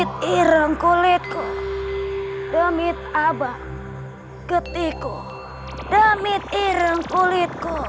kenapa bisa begini